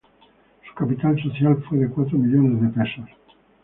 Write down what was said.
Su capital social fue de cuatro millones de pesos.